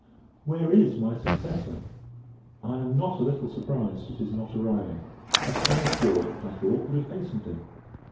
Where is my successor? I am not a little surprised at his not arriving! A Spanish war, I thought, would have hastened him.